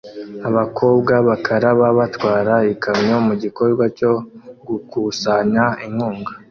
Abakobwa bakaraba batwara ikamyo mugikorwa cyo gukusanya inkunga